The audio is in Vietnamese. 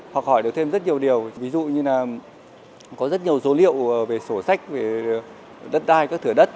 học hỏi được thêm rất nhiều điều ví dụ như là có rất nhiều số liệu về sổ sách về đất đai các thửa đất